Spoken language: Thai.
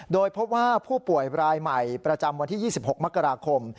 โดยพบว่าผู้ป่วยรายใหม่ประจำวันที่๒๖มกราคม